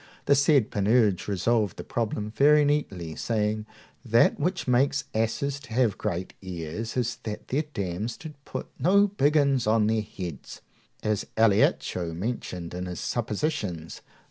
The said Panurge resolved the problem very neatly, saying, That which makes asses to have such great ears is that their dams did put no biggins on their heads, as Alliaco mentioneth in his Suppositions.